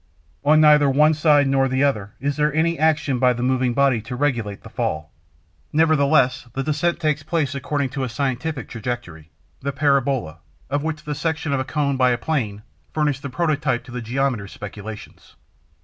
On neither the one side nor the other is there any action by the moving body to regulate the fall; nevertheless, the descent takes place according to a scientific trajectory, the 'parabola,' of which the section of a cone by a plane furnished the prototype to the geometer's speculations.